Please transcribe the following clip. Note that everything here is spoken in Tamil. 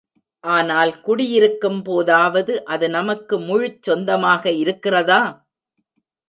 ஆனால் குடியிருக்கும் போதாவது அது நமக்கு முழுச் சொந்தமாக இருக்கிறதா?